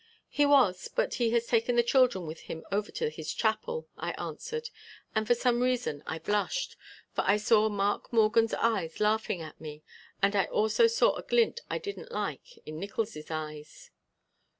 "He was, but he has taken the children with him over to his chapel," I answered, and for some reason I blushed, for I saw Mark Morgan's eyes laughing at me and I also saw a glint I didn't like in Nickols' eyes.